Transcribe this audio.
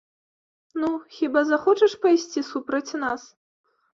Ну, хіба захочаш пайсці супраць нас?